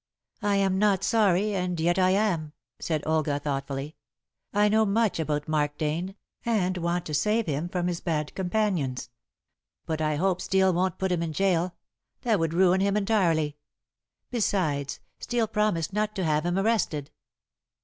"I am not sorry, and yet I am," said Olga thoughtfully. "I know much about Mark Dane, and want to save him from his bad companions. But I hope Steel won't put him in gaol; that would ruin him entirely. Besides, Steel promised not to have him arrested."